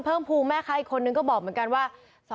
เพิ่มภูมิแม่ค้าอีกคนนึงก็บอกเหมือนกันว่า